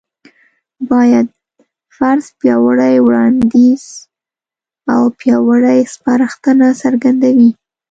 بايد: فرض، پياوړی وړانديځ او پياوړې سپارښتنه څرګندوي